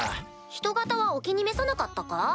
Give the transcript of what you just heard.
人型はお気に召さなかったか？